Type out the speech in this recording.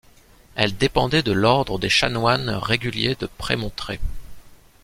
Elle dépendait de l'ordre des chanoines réguliers de Prémontré.